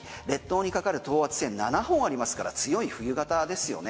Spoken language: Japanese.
列島にかかる等圧線７本ありますから強い冬型ですよね